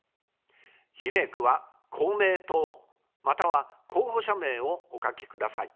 比例区は公明党または候補者名をお書きください。